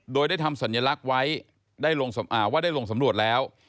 โดยได้ทำสัญลักษณ์ไว้ว่าได้ลงสำรวจแล้ว